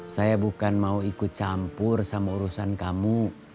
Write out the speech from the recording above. saya bukan mau ikut campur sama urusan kamu